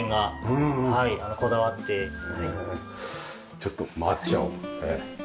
ちょっと回っちゃおう。